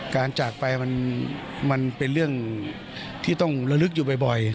จากไปมันเป็นเรื่องที่ต้องระลึกอยู่บ่อย